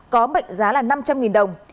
có mệnh giá là năm trăm linh đồng